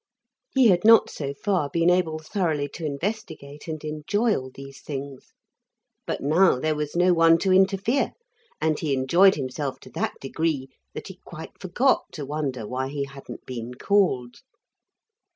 He had not, so far, been able thoroughly to investigate and enjoy all these things. But now there was no one to interfere, and he enjoyed himself to that degree that he quite forgot to wonder why he hadn't been called.